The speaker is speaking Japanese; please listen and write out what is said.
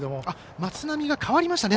松波が代わりましたね